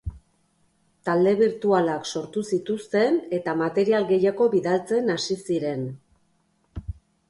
Talde birtualak sortu zituzten eta material gehiago bidaltzen hasi ziren.